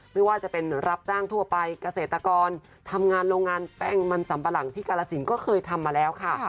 ไม่ว่าจะเป็นรับจ้างทั่วไปเกษตรกรทำงานโรงงานแป้งมันสัมปะหลังที่กาลสินก็เคยทำมาแล้วค่ะ